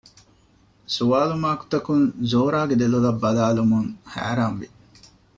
ސުވާލު މާކުތަކަކުން ޒޯރާގެ ދެލޮލަށް ބަލާލަމުން ހައިރާން ވި